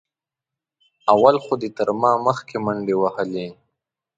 اول خو دې تر ما مخکې منډې وهلې.